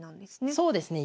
そうですね。